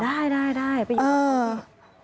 ได้ไปยิง